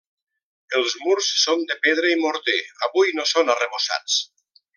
Els murs són de pedra i morter, avui no són arrebossats.